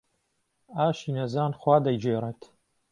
ئاشی نەزان خوا دەیگێڕێت.